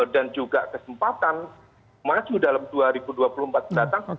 dan juga kesempatan maju dalam dua ribu dua puluh empat mendatang